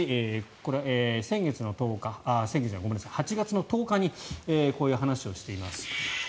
これ、８月の１０日にこういう話をしています。